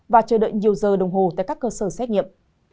và chờ đợi nhiều giờ đồng hồ tại các cơ sở xét nghiệm